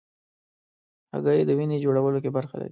هګۍ د وینې جوړولو کې برخه لري.